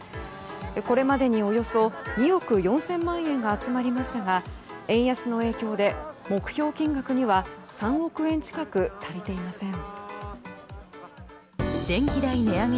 これまでにおよそ２億４０００万円が集まりましたが円安の影響で目標金額には３億円近く足りていません。